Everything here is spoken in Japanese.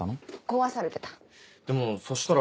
壊されてた。